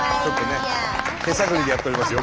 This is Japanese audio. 手探りでやっておりますよ。